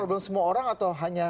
problem semua orang atau hanya